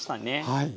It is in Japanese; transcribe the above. はい。